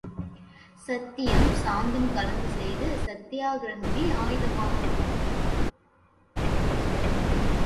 சத்தியம், சாந்தம் கலந்துசெய்த சத்தியாக் கிரகமே ஆயுதமாம்.